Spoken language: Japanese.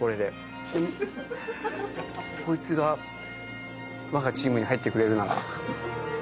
こいつが我がチームに入ってくれるなら。